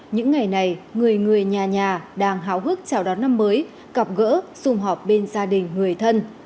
những ngày này người người nhà nhà đang háo hức chào đón năm mới gặp gỡ xung họp bên gia đình người thân